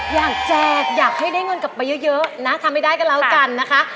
อย่างแจกอยากให้ได้เงินกลับไปเยอะนะทำให้ได้กับเรากันนะคะค่ะ